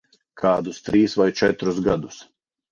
Kādus trīs vai četrus gadus.